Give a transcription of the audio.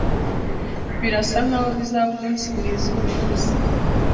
Birasa nkaho bizaba umunsi mwiza uyumunsi.